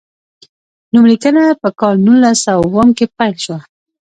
نوم لیکنه په کال نولس سوه اووم کې پیل شوه.